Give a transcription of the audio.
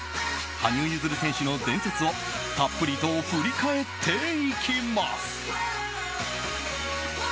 羽生結弦選手の伝説をたっぷりと振り返っていきます。